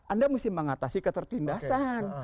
anda mesti mengatasi ketertindasan